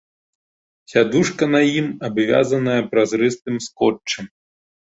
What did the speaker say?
Сядушка на ім абвязаная празрыстым скотчам.